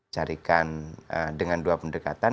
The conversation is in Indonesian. carikan dengan dua pendekatan